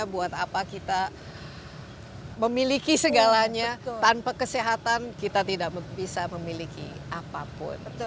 buat apa kita memiliki segalanya tanpa kesehatan kita tidak bisa memiliki apapun